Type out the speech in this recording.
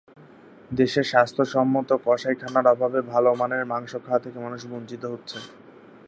দেশে স্বাস্থ্যসম্মত কসাইখানার অভাবে ভালো মানের মাংস খাওয়া থেকে মানুষ বঞ্চিত হচ্ছে।